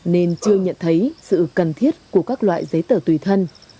nên chưa nhận thấy sự cần thiết của các loại giấy tờ tùy thân